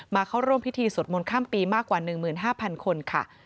เข้าร่วมพิธีสวดมนต์ข้ามปีมากกว่า๑๕๐๐คนค่ะ